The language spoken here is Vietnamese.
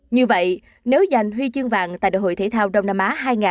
như vậy nếu giành huy chương vàng tại đại hội thể thao đông nam á hai nghìn hai mươi bốn